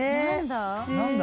何だ？